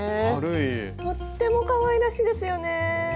とってもかわいらしいですよね。